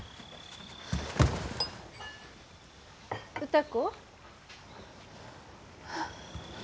歌子？